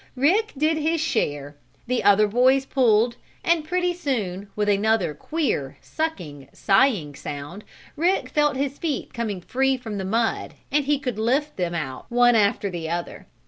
Rick did his share, the other boys pulled and pretty soon, with another queer, sucking, sighing sound Rick felt his feet coming free from the mud and he could lift them out one after the other.